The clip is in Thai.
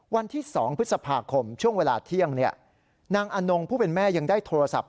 วันที่๒พฤษภาคมช่วงเวลาเที่ยงนางอนงผู้เป็นแม่ยังได้โทรศัพท์